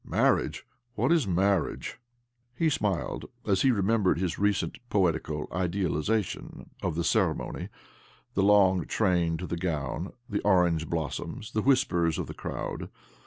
Marriage ! What is marriage ?" He smiled as he remembered his recent poetical idealization of the ceremony— the long train to the gown, the orange blossoms, the whispers of the crowd.